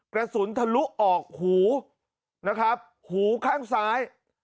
กระสุนทะลุออกหูนะครับหูข้างซ้าย